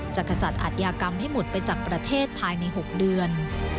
จะขจัดอัธยากรรมให้หมดไปจากประเทศภายใน๖เดือน